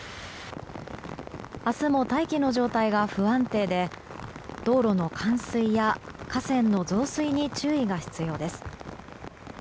明日も大気の状態が不安定で道路の冠水や河川の増水に注意が必要です。